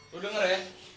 lu denger ya